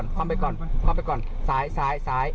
ข้างนี้พวกมีความกลัว